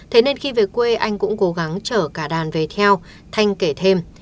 thế nên khi về quê anh cũng cố gắng chở cả đàn về theo thanh kể thêm